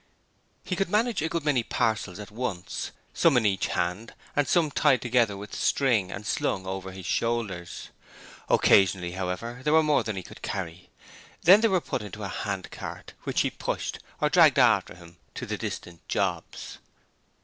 He could manage a good many parcels at once: some in each hand and some tied together with string and slung over his shoulders. Occasionally, however, there were more than he could carry; then they were put into a handcart which he pushed or dragged after him to the distant jobs.